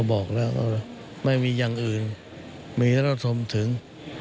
บอกแล้วไม่มีอย่างอื่นมีรัฐสมถึง